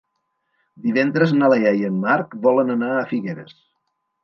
Divendres na Lea i en Marc volen anar a Figueres.